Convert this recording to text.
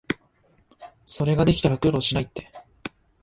それができたら苦労しないって